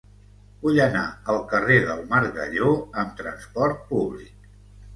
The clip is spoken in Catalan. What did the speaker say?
Vull anar al carrer del Margalló amb trasport públic.